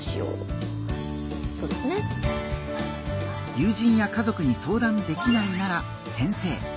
友人や家族に相談できないなら先生。